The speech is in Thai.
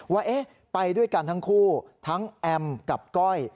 ว่าไปด้วยกันทั้งคู่ทั้งแอมกับก้อย